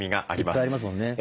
いっぱいありますもんね。